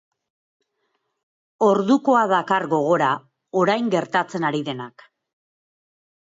Ordukoa dakar gogora orain gertatzen ari denak.